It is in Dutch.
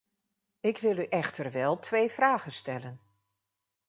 Ik wil u echter wel twee vragen stellen.